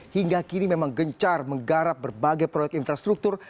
hingga kini memang gencar menggarap berbagai proyek infrastruktur